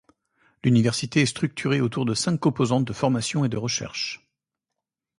L'université est structurée autour de cinq composantes de formation et de recherche.